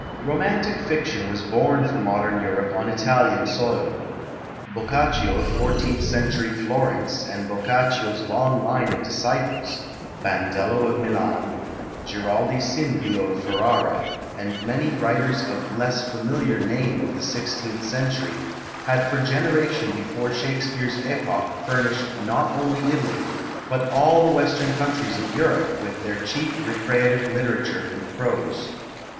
Romantic fiction was born for modern Europe on Italian soil. Boccaccio of fourteenth century Florence and Boccaccio's long line of disciples Bandello of Milan, Giraldi Cinthio of Ferrara, and many writers of less familiar name of the sixteenth century had for generations before Shakespeare's epoch furnished not only Italy, but all the Western countries of Europe with their chief recreative literature in prose.